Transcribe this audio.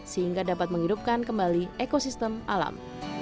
sehingga dapat menghidupkan kembali ekosistem alam